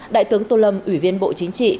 đại tướng tô lâm ủy viên bộ chính trị